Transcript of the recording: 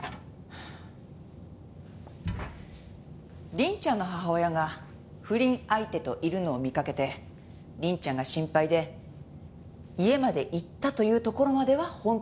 凛ちゃんの母親が不倫相手といるのを見かけて凛ちゃんが心配で家まで行ったというところまでは本当だと思います。